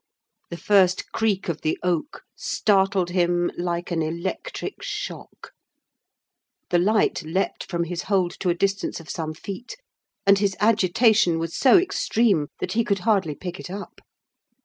The first creak of the oak startled him like an electric shock: the light leaped from his hold to a distance of some feet, and his agitation was so extreme, that he could hardly pick it up.